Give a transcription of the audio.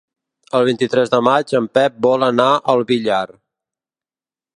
El vint-i-tres de maig en Pep vol anar al Villar.